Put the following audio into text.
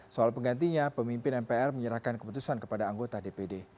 soal penggantinya pemimpin mpr menyerahkan keputusan kepada anggota dpd